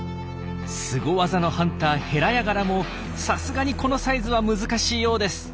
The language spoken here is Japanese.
スゴ技のハンターヘラヤガラもさすがにこのサイズは難しいようです。